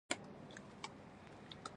د څښلو اوبه او ژباړونکي هم توظیف شوي وو.